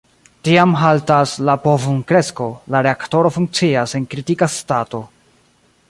Tiam haltas la povum-kresko, la reaktoro funkcias en "kritika stato".